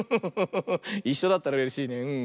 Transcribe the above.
いっしょだったらうれしいね。